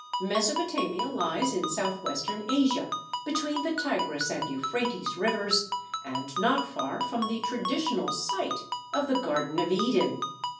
Mesopotamia lies in southwestern Asia between the Tigris and Euphrates Rivers and not far from the traditional site of the Garden of Eden.